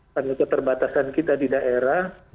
karena keterbatasan kita di daerah